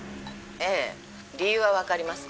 ええ理由は分かりますか？